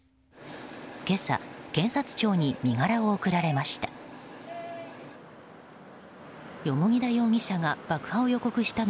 今朝検察庁に身柄を送られました。